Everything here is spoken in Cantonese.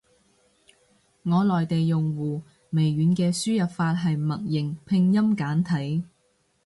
我內地用戶，微軟嘅輸入法係默認拼音簡體。